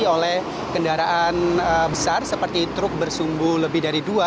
oleh kendaraan besar seperti truk bersumbu lebih dari dua